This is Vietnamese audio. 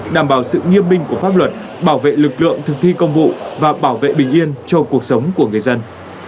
đảm bảo sự nghiêm minh của pháp luật bảo vệ lực lượng thực thi công vụ và bảo vệ bình yên cho cuộc sống của người dân